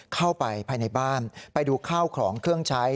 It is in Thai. เข้าไปภายในบ้านไปดูข้าวของเครื่องใช้